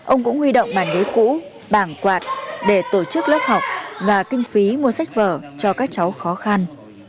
ông cũng huy động bàn ghế cũ bảng quạt để tổ chức lớp học và kinh phí mua sách vở cho các cháu khó khăn